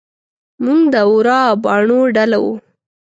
موږ د ورا باڼو ډله وو.